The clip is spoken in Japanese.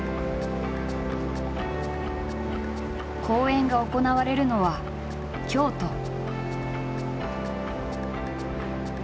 公演が行われるのは京都。